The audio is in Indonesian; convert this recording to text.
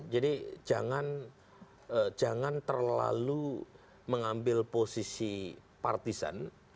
jadi jangan terlalu mengambil posisi partisan